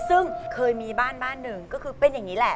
ซึ่งเคยมีบ้านบ้านหนึ่งก็คือเป็นอย่างนี้แหละ